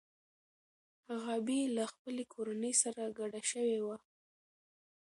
غابي له خپلې کورنۍ سره کډه شوې وه.